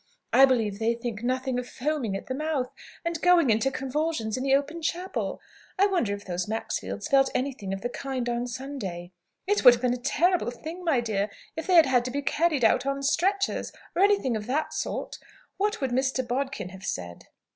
I believe they think nothing of foaming at the mouth, and going into convulsions, in the open chapel. I wonder if those Maxfields felt anything of the kind on Sunday? It would have been a terrible thing, my dear, if they had had to be carried out on stretchers, or anything of that sort. What would Mr. Bodkin have said?"